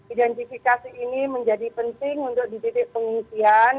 identifikasi ini menjadi penting untuk di titik pengungsian